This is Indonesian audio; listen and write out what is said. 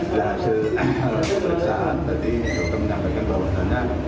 dan hasil pemeriksaan tadi dokter menyampaikan bahwa